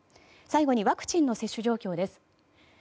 最後にワクチンの接種状況です。